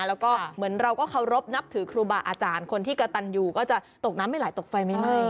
แล้วก็เหมือนเราก็เคารพนับถือครูบาอาจารย์คนที่กระตันอยู่ก็จะตกน้ำไม่ไหลตกไฟไม่ไหม้